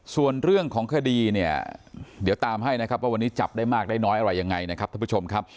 ส่วนเรื่องของคดีเนี่ยเดี๋ยวตามให้นะครับว่าวันนี้จับได้มากได้น้อยอะไรยังไงนะครับท่านผู้ชมครับ